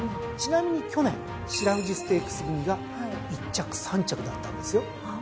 ちなみに去年白富士ステークス組が１着３着だったんですよ。